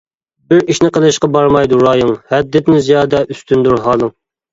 بىر ئىشنى قىلىشقا بارمايدۇ رايىڭ، ھەددىدىن زىيادە ئۈستۈندۇر ھالىڭ.